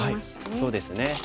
そうですね。